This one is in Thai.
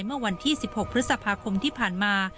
เมื่อวันที่๑๖พฤษภาคมที่ผ่านมา